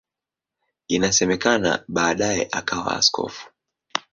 Inasemekana baadaye akawa askofu.